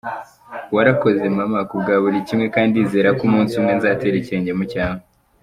Warakoze, mama kuri buri kimwe kandi ndizera ko umunsi umwe nzatera ikirenge mu cyawe.